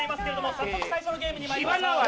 早速最初のゲームにまいりましょう。